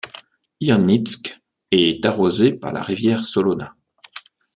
Hirnytske est arrosée par la rivière Solona.